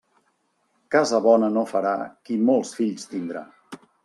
Casa bona no farà qui molts fills tindrà.